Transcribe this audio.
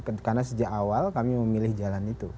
karena sejak awal kami memilih jalan itu